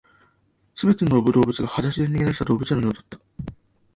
全ての動物が裸足で逃げ出した動物園のようだった